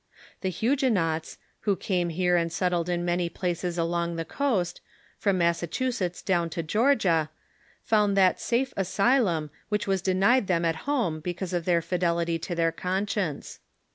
The Huguenots, who came here and settled in many places along the coast, from Massachusetts down to Georgia, found that safe asylum which was denied them at home because of their fidelity to their conscience.